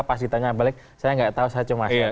pas ditanya balik saya ga tau saya cuma